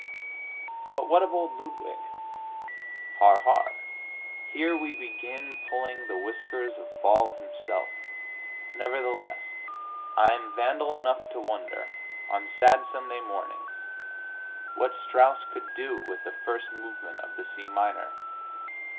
But what of old Ludwig? Har, har; here we begin pulling the whiskers of Baal Himself. Nevertheless, I am vandal enough to wonder, on sad Sunday mornings, what Strauss could do with the first movement of the C minor.